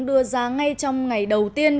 đưa ra ngay trong ngày đầu tiên